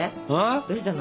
どうしたの？